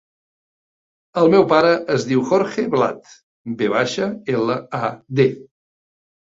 El meu pare es diu Jorge Vlad: ve baixa, ela, a, de.